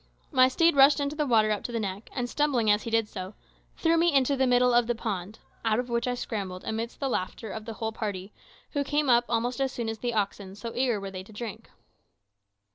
My steed rushed into the water up to the neck, and stumbling as he did so, threw me into the middle of the pond, out of which I scrambled amidst the laughter of the whole party, who came up almost as soon as the oxen, so eager were they to drink.